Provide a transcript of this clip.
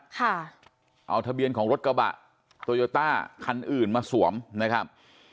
ค่ะเอาทะเบียนของรถกระบะโตโยต้าคันอื่นมาสวมนะครับ